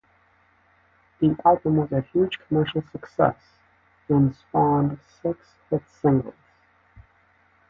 The album was a huge commercial success, and spawned six hit singles.